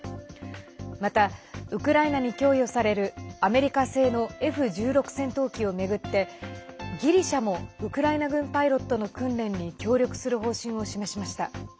また、ウクライナに供与されるアメリカ製のＦ１６戦闘機を巡ってギリシャもウクライナ軍パイロットの訓練に協力する方針を示しました。